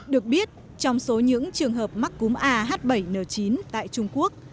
được biết trong số những trường hợp mắc cúm ah bảy n chín tại trung quốc